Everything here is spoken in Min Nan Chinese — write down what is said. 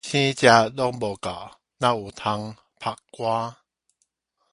生食攏無夠，哪有通曬乾